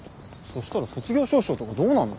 そしたら卒業証書とかどうなんの？